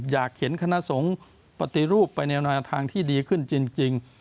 อยากเห็นคณะสงฆ์ปฏิรูปไปแนวทางที่ดีขึ้นจริง